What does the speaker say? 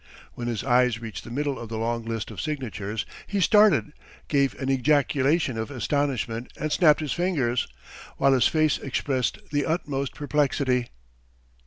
When his eyes reached the middle of the long list of signatures, he started, gave an ejaculation of astonishment and snapped his fingers, while his face expressed the utmost perplexity.